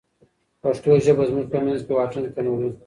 پښتو ژبه زموږ په منځ کې واټن کموي.